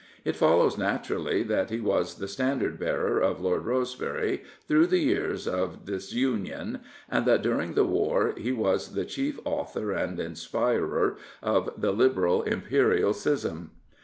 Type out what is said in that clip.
It follows naturally that he was the standard bearer of Lord Rosebery through the years of dis union, and that during the war he was the chief author and inspirer of the Liberal Imperial schism.